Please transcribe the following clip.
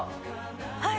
はい